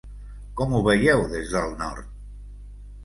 Com ho veieu des del nord?